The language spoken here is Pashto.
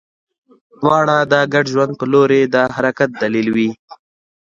دواړه د ګډ ژوند په لور د حرکت دلایل وي.